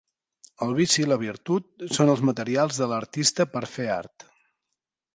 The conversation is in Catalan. El vici i la virtut són els materials de l"artista per fer art.